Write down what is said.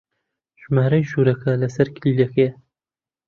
ژمارەی ژوورەکە لەسەر کلیلەکەیە.